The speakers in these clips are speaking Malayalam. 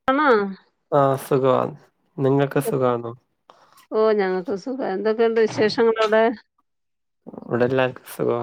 [unintelligible] ആഹ് സുഖവാ, നിങ്ങക്ക് സുഖാന്നോ? ഓഹ് ഞ്ഞങ്ങക്ക് സുഖാ. എന്തൊക്കെയുണ്ട് വിശേഷങ്ങളവടെ? ഇവിടെ എല്ലാർക്കും സുഖവാ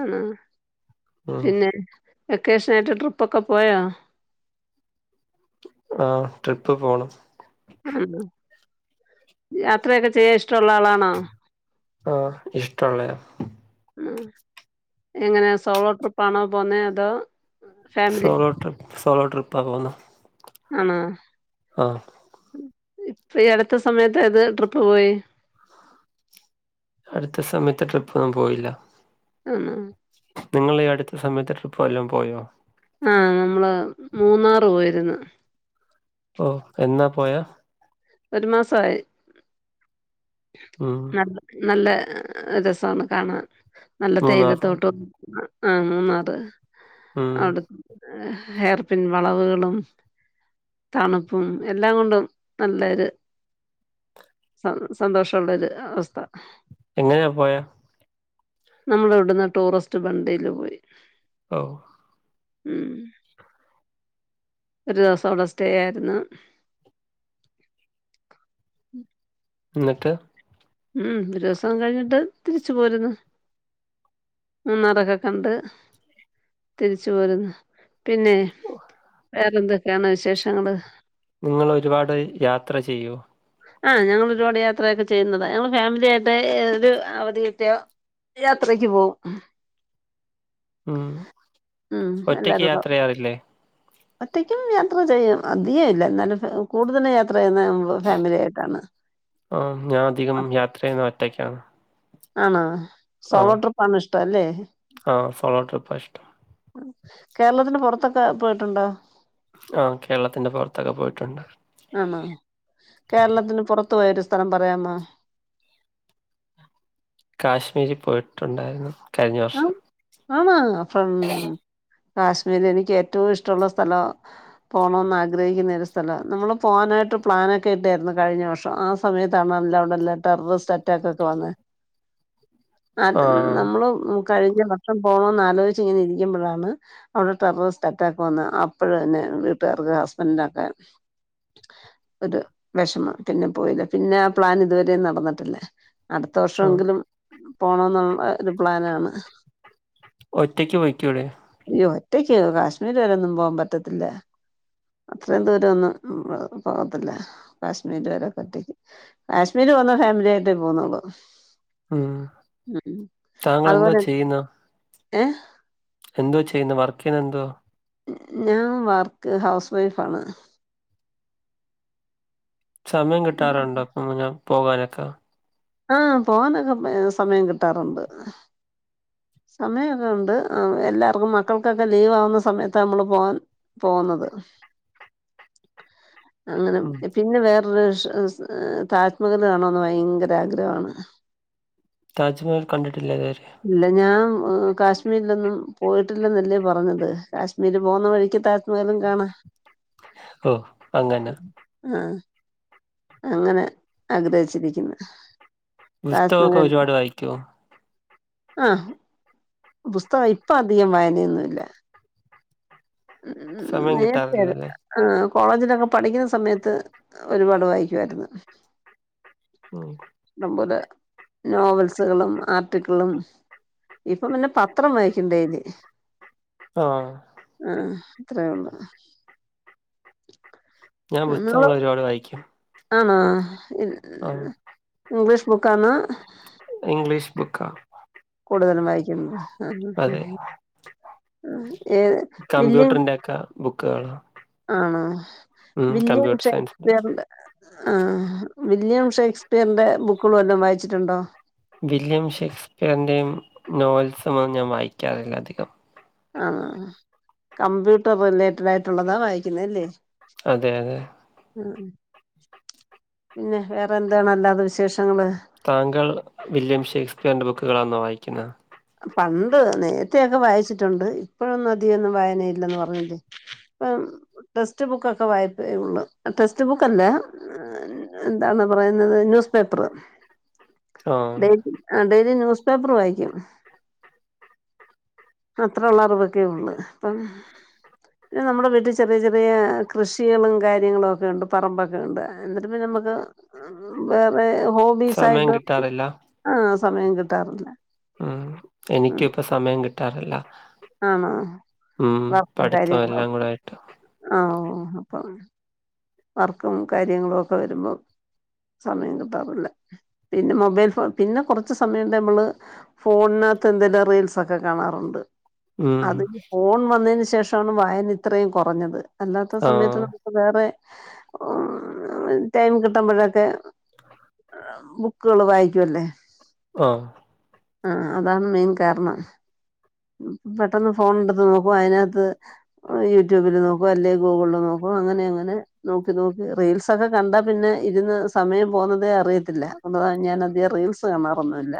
ആണാ, ഉം പിന്നെ വെക്കേഷനായിട്ട് ട്രിപ്പൊക്കെ പോയാ? ആഹ്, ട്രിപ്പ് പോണം. ഉം, യാത്രയൊക്കെ ചെയ്യാൻ ഇഷ്ടള്ള ആളാണോ? ആഹ്, ഇഷ്ടൊള്ളെയാ. ഉം എങ്ങനെയാ സോളോ ട്രിപ്പാണോ പോന്നേ, അതോ? ഫാമിലി സോളോ ട്രിപ്പ്, സോളോ ട്രിപ്പാ പോകുന്നെ. ആണാ. ആഹ്. ഇപ്പയീ അട്ത്ത സമയത്ത് ഏത് ട്രിപ്പ് പോയി? അടുത്ത സമയത്ത് ട്രിപ്പൊന്നും പോയില്ലാ. ആണാ നിങ്ങളീ അടുത്ത സമയത്ത് ട്രിപ്പ് വല്ലതും പോയോ? ആഹ്, നമ്മള് മൂന്നാറ് പോയിരുന്ന്. ഓഹ്, എന്നാ പോയെ? ഒരു മാസായി, ഉം എന്നട്ട് നല്ല രസാണ് കാണാൻ നല്ല മൂന്നാറോ തെയിലത്തോട്ടോ ആഹ് മൂന്നാറ്, ഉം അടു ഹെയർ പിൻ വളവുകളും, തണുപ്പും എല്ലാം കൊണ്ടും നല്ലൊരു സ സന്തോഷള്ളൊരു അവസ്ഥ. എങ്ങെനെയാ പോയെ? നമ്മള് വിട്ന്ന് ടൂറിസ്റ്റ് വണ്ടീല് പോയി. ഓഹ് ഉം ഒര് ദൊവസം, അവിടെ സ്റ്റേ ആയിര്ന്ന്. എന്നിട്ട്? ഉം, ഒരൂസം കഴിഞ്ഞിട്ട് തിരിച്ചു പോരുന്നു. മൂന്നാറൊക്കെ കണ്ട് തിരിച്ചു പോര്ന്നു. പിന്നെ, വേറെന്തൊക്കെയാണ് വിശേഷങ്ങള്? നിങ്ങളൊരുപാട് യാത്ര ചെയ്യോ? ആഹ്, ഞങ്ങള് ഒരുപാട് യാത്രയൊക്കെ ചെയ്യുന്നതാ. ഞങ്ങള് ഫാമിലിയായിട്ടെ ഏഹ് ഒരു അവധി കിട്ടിയാ യാത്രയ്ക്ക് പോവും. ഉം, ഉം ഒറ്റക്ക് എല്ലാരും കൂടെ യാത്ര ചെയ്യാറില്ലേ? ഒറ്റയ്ക്കും യാത്ര ചെയ്യും. അധികല്ല എന്നാലും കൂടുതലും യാത്ര ചെയ്യുന്നതും ആഹ്, ഞാൻ അധികം യാത്ര ചെയ്യുന്നത് ഒറ്റക്കാണ്. ആണാ, സോളോ ട്രിപ്പാണ് ഇഷ്ടല്ലെ? ആഹ്, സോളോ ട്രിപ്പാ ഇഷ്ടം. കേരളത്തിന്റെ പുറത്തൊക്കെ പോയിട്ടുണ്ടൊ.? ആ കേരളത്തിന്റെ പൊറത്തൊക്കെ പോയിട്ടുണ്ട്. ആണോ. കേരളത്തിന് പുറത്തു പോയൊരു സ്ഥലം പറയാമോ? കാശ്മീരി പോയിട്ടുണ്ടായിരുന്നു. കഴിഞ്ഞ വർഷം. ആണ. അപ്പം കാശ്മീരി എനിക്ക് ഏറ്റവും ഇഷ്ടമുള്ള സ്ഥലവാ. പോണോന്ന് ആഗ്രഹിക്കുന്ന ഒരു സ്ഥലവാ. നമ്മള് പോവാനായിട്ട് പ്ലാനൊക്കെ ഇട്ടേരുന്നു കഴിഞ്ഞ വർഷം ആ സമയത്താണ്ല്ലാണ്ടല്ല, ടെററിസ്റ്റ് അറ്റാക്ക് ഒക്കെ വന്ന്. [inaudible] നാട്ട് [unintelligible] ആഹ് നമ്മള് കഴിഞ്ഞ വർഷം പോണോന്ന് ആലോയ്ച്ച് ഇങ്ങനെ ഇരിക്കുമ്പോഴാണ് അവിടെ ടെറെറെസ്റ്റ് അറ്റാക്ക് വന്ന്. അപ്പഴന്നെ വീട്ടുകാർക്ക് ഹസ്ബൻഡന്റൊക്കെ വെഷമം. പിന്നെ പോയില്ല. പിന്നെ ആ പ്ലാൻ ഇതുവരെ നടന്നിട്ടില്ല. അടുത്ത വർഷ ആഹ് എങ്കിലും, പോണം എന്നുള്ള ഒരു പ്ലാനാണ്. ഒറ്റയ്ക്ക് പൊയ്ക്കൂടേ? അയ്യോ ഒറ്റയ്ക്ക് കാശ്മീര് വരെ ഒന്നും പോകാൻ പറ്റത്തില്ല. അത്രയും ദൂരൊന്നും പോകത്തില്ല. കാശ്മീര് വരെ ഒക്കൊറ്റക്ക്. കാശ്മീര് വന്ന ഫാമിലി ആയിട്ടേ പോവുന്നൊള്ളട്. ഉം താങ്കൾ എന്തോ അതുപോലെന്നെ ചെയ്യുന്നു. ഏഹ് എന്തൊ ചെയ്ണ്. വർക്കിന് എന്തോ? ഞാൻ വർക്ക് ഹൗസ് വൈഫാണ്. സമയം കിട്ടാറുണ്ടോ. ഇപ്പം നിങ്ങൾക്ക് പോകാനൊക്ക ആഹ്. പോവാനൊക്കെ സമയം കിട്ടാറുണ്ട്. സമയൊക്കെ ഉണ്ട്. എല്ലാർക്കും മക്കൾക്കൊക്കെ ലീവ് ആവുന്ന സമയത്ത നമ്മള് പോകാറ്. പോവുന്നത്. [inaudible] അങ്ങനെ. പിന്നെ വേറൊരു, ഷ് സ് താജ്മഹല് കാണോന്ന് ഭയങ്കര ആഗ്രഹാണ്. താജ്മഹൽ കണ്ടിട്ടില്ലലേറ്യ ഇല്ല ഞാൻ കാശ്മീരിലൊന്നും പോയിട്ടില്ലെന്നല്ലെ പറഞ്ഞത്. കാശ്മീരി പോകുന്ന വഴിക്ക് താജ് മഹലും കാണാ. ഓ അങ്ങനെ. ആഹ് അങ്ങനെ ആഗ്രഹിച്ചിരിക്കുന്ന്. പുസ്തകമൊക്കെ താജ്മഹൽ ഒരുപാട് വായിക്കുവോ ആ പുസ്തകം. ഇപ്പൊ അധികം വായനയൊന്നുല്ല. ഉം സമയം നേർത്തെ കിട്ടാറില്ലല്ലേ ആ കോളേജിലൊക്കെ പഠിക്കുന്ന സമയത്ത് ഒരുപാട് വായിക്ക്യായിരുന്നു. ഓ ടംപോലെ നോവൽസുകളും, ആർട്ടിക്കളും ഇപ്പൊ പിന്നെ പത്രം വായിക്കും ടൈയ്ലി. ആഹ് ആഹ് അത്രേ ഒള്ളു. ഞാൻ നിങ്ങൾ പുസ്തകങ്ങൾ ഒരുപാട് വായിക്കും. ആണോ. ആഹ് ഇംഗ്ലീഷ് ബുക്ക് ആണാ? ഇംഗ്ലീഷ് ബുക്കാണ്. കൂടുതലും വായിക്കുന്നത്. ആ അതെ ആ ആ ഏത് വില്ല്യ ബുക്കേള് ആണോ വില്ല്യം കമ്പ്യൂട്ടർ സയൻസിന്റെ ഷേക്സ്പിയറിൻ്റെ ആഹ് വില്ല്യം ഷേക്സ്പിയറിന്റെ ബുക്കുകളും വല്ലോം വായിച്ചിട്ടുണ്ടോ? വില്യം ഷേക്സ്പിയറിന്റെയും, നോവൽസും ഒന്നും ഞാൻ വായിക്കാറില്ല അധികം. ആ കമ്പ്യൂട്ടർ റിലേറ്റഡ് ആയിട്ടുള്ളതാ വായിക്കുന്നെ അല്ലേ അതെ അതെ. ആഹ് പിന്നെ വേറെ എന്താണ് അല്ലാതെ വിശേഷങ്ങള് താങ്കൾ വില്യം ഷേക്സ്പിയറിൻ്റെ ബുക്കുകളാണോ വായിക്കുന്നത് പണ്ട് നേരത്തെയൊക്കെ വായിച്ചിട്ടുണ്ട് ഇപ്പഴൊന്നും അതികൊന്നും വായനയില്ലന്ന് പറഞ്ഞില്ലേ ഇപ്പം ടെക്സ്റ്റ് ബുക്ക് ഒക്കെ വായ്പേ ഒള്ളു ടെക്സ്റ്റ്ബുക്കല്ല എന്താണ് പറയുന്നത് ന്യൂസ് പേപ്പറ് ആഹ് ഡെി അതായത് ന്യൂസ് പേപ്പർ വായിക്കും അത്ര ഉള്ള അറിവ്ക്കേ ഉള്ളൂ അപ്പം ആ പിന്നെ നമ്മുടെ വീട്ടിൽ ചെറിയ ചെറിയ കൃഷികളും കാര്യങ്ങളുമൊക്കെ ഉണ്ട് പറമ്പൊക്കെ ഉണ്ട് എന്നിട്ട് പിന്നെ നമുക്ക് വേറെ സമയം ഹോബീസായിട്ട് കിട്ടാറില്ല ആ സമയം കിട്ടാറില്ല എനിക്കൂപ്പ സമയം കിട്ടാറില്ല. ആഹ് ഉം വർക്കും പഠിത്തം എല്ലാം കാര്യങ്ങളും കൂടെ ആയിട്ട് ആ ഓ അപ്പം വർക്കും കാര്യങ്ങളു ഒക്കെ വരുമ്പം സമയം കിട്ടാറില്ല. പിന്നെ മൊബൈൽ ഫോ പിന്നെ കുറച്ച് സമയം നമ്മള് ഫോണിനകത്ത് എന്തെല റീൽസൊക്കെ കാണാറുണ്ട് ഉം അത് ഫോൺ വന്നതിന് ശേഷമാണ് വായന ഇത്രയും കുറഞ്ഞത് അല്ലാത്ത സമയത്ത് ആഹ് ഇപ്പം വെറെ ഉം ടൈം കിട്ടുമ്പഴൊക്കെ ബുക്കുകള് വായിക്കുവല്ലേ ആഹ് ആഹ് അതാണ് മെയിൻ കാരണം പെട്ടന്ന് ഫോണടുത്ത് നോക്കു അതിനകത്ത് യൂട്യൂബില് നോക്കും അല്ലെ ഗൂഗിൾല് നോക്കും അങ്ങനെ അങ്ങനെ നോക്കി നോക്കി റീൽസൊക്കെ കണ്ടാപിന്നെ ഇരുന്ന് സമയം പോന്നതേ അറിയത്തില്ല എന്തുവാ ഞാൻ അധികം റീൽസ് കാണറന്നുല്ല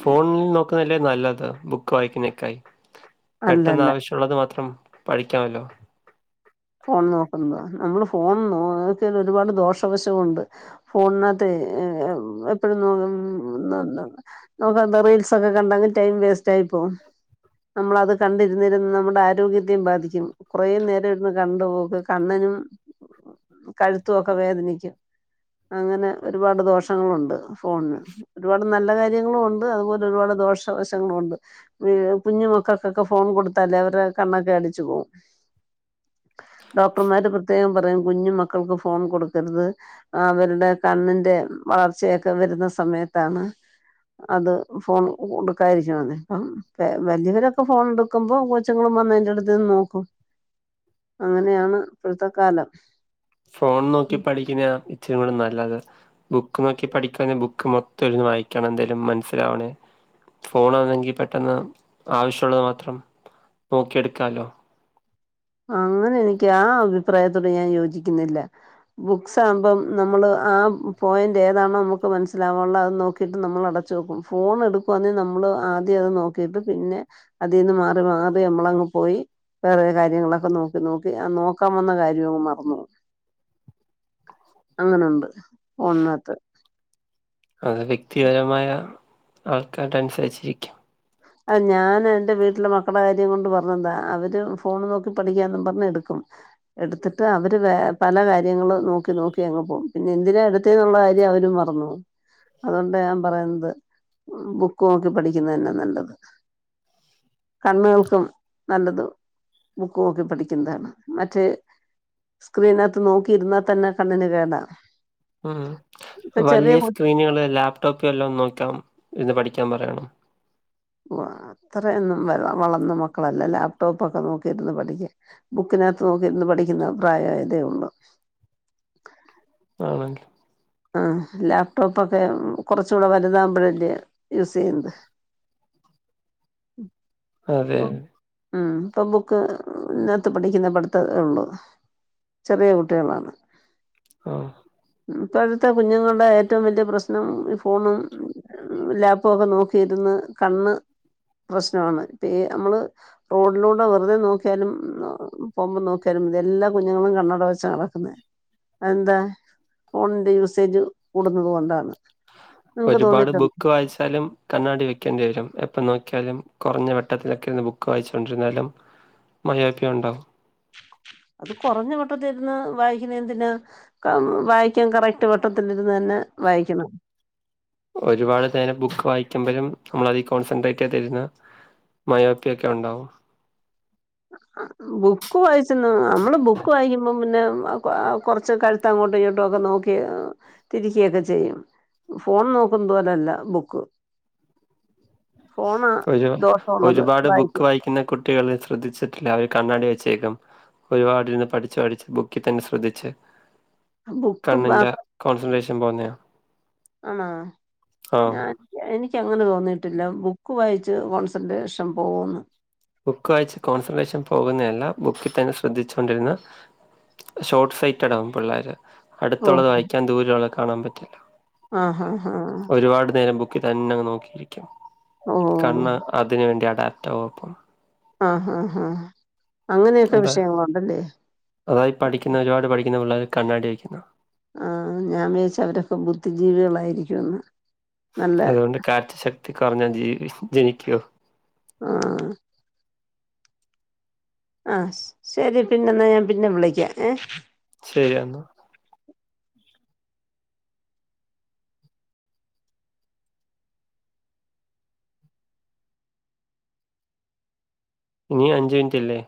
ഫോണിൽ നോക്കുന്നല്ലേ നല്ലത് ബുക്ക് വായിക്കുന്നേക്കായി പെട്ടെന്ന് അല്ലല്ല ആവശ്യമുള്ളത് മാത്രം പഠിക്കാമല്ലോ ഫോൺ നോക്കുന്നുന്നത് നമ്മള് ഫോൺ നോക്കൽ ഒരുപാട് ദോഷവശവു ഉണ്ട് ഫോണിനകത്ത് എപ്പഴും ഉം നോക്ക എന്താ റീൽസ് ഒക്കെ കണ്ടാണ്ട് ടൈം വേസ്റ്റ് ആയി പോവും നമ്മള അത് കണ്ടിരുന്നിരന്ന് നമ്മുടെ ആരോഗ്യത്തെയും ബാധിക്കും കുറേ നേരം ഒന്ന് കണ്ടോക്ക് കണ്ണ്നും കഴുത്തു ഒക്കെ വേദനിക്കും അങ്ങനെ ഒരുപാട് ദോഷങ്ങളുണ്ട് ഫോണിന് ഒരുപാട് നല്ല കാര്യങ്ങളും ഉണ്ട് അതുപോലെ ഒരുപാട് ദോഷവശങ്ങളും ഉണ്ട് കുഞ്ഞുമക്കക്കൊക്കെ ഫോൺ കൊടുത്താലേ അവരെ കണ്ണൊക്കെ അടിച്ചു പോകും ഡോക്ടർമാര് പ്രത്യേകം പറയും കുഞ്ഞു മക്കൾക്ക് ഫോൺ കൊടുക്കരുത് അവരുടെ കണ്ണിന്റെ വളർച്ചയൊക്കെ വരുന്ന സമയത്താണ് അത് ഫോൺ കൊടുക്കായിരിക്കുന്നത് അപ്പം വല്യവരൊക്കെ ഫോൺ എടു കുമ്പൊ കൊച്ചുങ്ങളും വന്ന അതിന്റെ അടുത്ത്ന്ന് നോക്കും അങ്ങനെയാണ് ഇപ്പോഴത്തെ കാലം ഫോൺ നോക്കി പഠിക്കുന്ന ഇച്ചരും കൂടി നല്ലത് ബുക്ക് നോക്കി പഠിക്ക ബുക്ക് മൊത്തം ഒന്ന് വായിക്കണം എന്തെങ്കിലും മനസ്സിലാവണേ ഫോണാണെങ്കിൽ പെട്ടെന്ന് ആവശ്യമുള്ളത് മാത്രം നോക്കിയെടുക്കാമല്ലോ അങ്ങനെ എനിക്ക് ആ അഭിപ്രായത്തോടെ ഞാൻ യോജിക്കുന്നില്ല ബുക്സ് ആമ്പം നമ്മൾ ആ പോയിന്റ് ഏതാണോ നമുക്ക് മനസ്സിലാവുള്ളത് അഹ്നോക് ക്കിട്ട് നമ്മൾ അടച്ച് നോക്കും ഫോൺ എടുക്കുവാന്നങ്കിൽ നമ്മൾ ആദ്യം അത് നോക്കിയിട്ട് പിന്നെ അതിന്ന് മാറി മാറി നമളെ അങ്ങ് പോയി വേറെ കാര്യങ്ങളൊ ക്ക നോക്കി നോക്കി നോക്കാ വന്ന കാര്യം മറന്ന് പോം അങ്ങനെ ഉണ്ട് ഫോണിന് അകത് അത് വ്യക്തിപരമായ ആൾക്കാരുടെ അനുസരിച്ചിരിക്കും ആ ഞാൻ എൻറെ വീട്ടിലെ മക്കളെ കാര്യം കൊണ്ട് പറഞ്ഞന്താ അവര് ഫോണ് നോക്കി പഠിക്കാന്ന് പറഞ്ഞ്എടുക്കും എടുത്തിട്ട് അവര് വേ പല കാര്യങ്ങളും നോക്കി നോക്കി അങ്ങ് പോം പിന്നെ എന്തിന ത് തെയുള്ള കാര്യം അവര് മറന്നു പോം അതോണ്ടാ ഞാ പറയുന്നത് ബുക്ക് നോക്കി പഠിക്ക്ന്നെനെ നല്ലത്. കണ്ണുകൾക്കും നല്ലതോ ബുക്ക്ഓക്കി പഠിക്ക്താണ് മറ്റെ സ്ക്രീനാത്ത് നോക്കി ഇര്ന്നാ തന്നെ കണ്ണിന് കേടാ ഉം ഇപ്പൊ ചെറിയ വലിയ സ്ക്രീനുകള് ലാപ്ടോപ് വല്ലോം നോക്കാം ഇര് പഠിക്കാ പറയണം. ഓ അത്രയൊന്നും വ വളർന്ന മക്കളല്ല ലാപ്ടോപ്പൊക്കെ നോക്കിയിര്ന്ന് പഠിക്കാൻ ബുക്കിനാത്ത് നോക്കിര്ന്ന് പഠിക്കുന്ന പ്രായയതേ ഉള്ളു [unintelligible] ആഹ് ലാപ്ടോപ്പൊക്കെ കൊറച്ചുടെ വലുതാഉമ്പഴല്ലേ യൂസയ്യുന്നത്. [inaudible] അതെ. ഉം ഇപ്പൊ ബുക്ക് ഇനാത്ത് പഠിക്കുന്ന പടിത്തേ ഉള്ളു. ചെറിയ കുട്ടികളാണ്. ഓഹ് ഇപ്പഴത്തെ കുഞ്ഞുങ്ങൾടെ ഏറ്റവും വല്ല്യ പ്രശ്നം ഈ ഫോണും ലാപ്പൊക്കെ നോക്കിയിര്ന്ന് കണ്ണ് പ്രശ്നാണ് പ്പേ അമ്മള് റോഡിലൂടെ വെറുതെ നോക്കിയാലും പോമ്പോ നോക്കിയാലും ഇത് എല്ലാ കുഞ്ഞുങ്ങളും കണ്ണട വെച്ച നടക്ന്നെ. അഎന്താ.? ഫോണിന്റെ യൂസേജ് കൂടുന്നത് കൊണ്ടാണ്. നിങ്ങക്ക് ഒരുപാട് തോന്നിയിട്ടുണ്ടോ ബുക്ക് വായിച്ചാലും കണ്ണാടി വെക്കേണ്ടി വരും എപ്പം നോക്ക്യാലും കൊറഞ്ഞ വെട്ടത്തിലൊക്കെ ഇര്ന്ന് ബുക്ക് വായിചോണ്ടിരുന്നാലും മഴയോക്കെ ഉണ്ടോ? അത് കൊറഞ്ഞ വേട്ടതിരുന്ന് വായിക്കുന്നെ എന്തിന? ക വായിക്കാൻ കറക്ട് വട്ടത്തിരുന്ന് ന്നെ വായിക്കണം. ഒരുപാട് നേരം ബുക്ക് വായിക്കുമ്പഴും നമ്മളതി കോൺസെൻട്രേറ്റ് യ്ത് ഇര്ന്ന് മയോക്കെയ്ക്കെ ണ്ടാവും. ബുക്ക് വായിച്ചെന്ന് നമ്മള് ബുക്ക് വായിക്കുമ്പോ പിന്നെ ആ കൊറച്ച് കഴുത്ത് അങ്ങോട്ടും ഇങ്ങോട്ടുക്കെ നോക്കി തിരിക്കെ ചെയ്യും. ഫോൺ നോക്കും പോലല്ല ബുക്ക്. ഫോണാ ഒരു ദോഷമുള്ളത് ഒരുപാട് ബുക്ക് വായിക്കും വായിക്കുന്ന കുട് കുട്ടികളെ ശ്രദ്ധിച്ചിട്ടില്ല അവര് കണ്ണാടി വച്ചേക്കും. ഒരുപാടിരുന്ന് പഠിച്ചു പഠിച്ച് ബുക്കി തന്നെ ശ്രദ്ധിച്ച് ബുക്ക് കണ്ണിന്റെ മാത്രം കോൺസെൻട്രേഷൻ പോന്നെയാ ആണോ ആഹ്. ഞാൻ എനിക്കങ്ങനെ തോന്നിട്ടില്ല ബുക്ക് വായിച്ച് കോൺസെൻട്രേഷൻ പോകൂന്ന്. ബുക്ക് വായിച്ച് കോൺസെൻട്രേഷൻ പോകുന്നെഅല്ല ബുക്കിൽ തന്നെ ശ്രദ്ധിചോണ്ടിര്ന്ന ഷോർട്ട് സൈറ്റഡ് ആകും പിള്ളേര് അടുത്തുള്ളത് ഓഹോ! വായിക്കാൻ ദൂരെ ഉള്ളത് കാണാൻ പറ്റില്ല. ആഹ് ഹാ ഹാ. ഒരുപാട് നേരം ബുക്കി തന്നെങ്ങ് നോക്കിയിരിക്കും ഓഹ്! കണ്ണ് അതിന് വേണ്ടി അഡാറ്റാവും അപ്പം. ആഹ് ആഹ് ആഹ് അങ്ങനെയൊക്കെ വിഷയങ്ങളുണ്ടല്ലേ.? അതായി പഠിക്കുന്ന ഒരുപാട് പഠിക്കുന്ന പിള്ളേര് കണ്ണാടി വെക്കുന്നത് ആഹ് ഞാൻ വിചാര്ച് അവരൊക്കെ ബുദ്ധിജീവികളായിരിക്കുംന്ന്. അതുകൊണ്ട് കാഴ്ച്ച ശക്തി കൊറഞ്ഞ ജീവി ജനിക്കോ? ആഹ്.. ആഹ് ശെരി പിന്നെന്നാ ഞാൻ പിന്നെ വിളിക്കാ ഏഹ്. ശെരി എന്നാ. ഇനിയും അഞ്ചു മിനിറ്റ് ഇല്ലെ